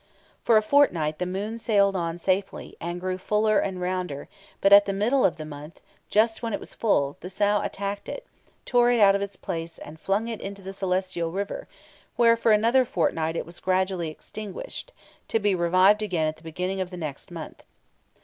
For a fortnight the moon sailed on safely, and grew fuller and rounder; but at the middle of the month, just when it was full, the sow attacked it, tore it out of its place, and flung it into the celestial river, where for another fortnight it was gradually extinguished, to be revived again at the beginning of the next month.